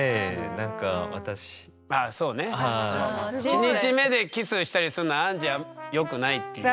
１日目でキスしたりするのはよくないっていう。